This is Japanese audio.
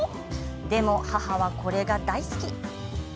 でも母はこれが大好き。